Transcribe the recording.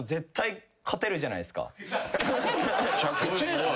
むちゃくちゃやな。